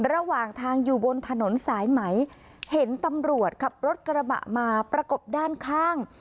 ระหว่างทางอยู่บนถนนสายไหมเห็นตำรวจขับรถกระบะมาประกบด้านข้าง